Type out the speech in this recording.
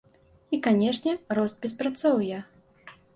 І, канешне, рост беспрацоўя.